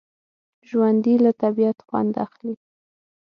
ژوندي له طبعیت خوند اخلي